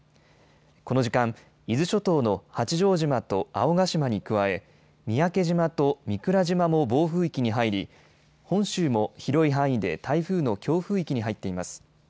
この時間、伊豆諸島の八丈島と青ヶ島に加え三宅島と御蔵島も暴風域に入り本州も広い範囲で台風の強風域に入っています。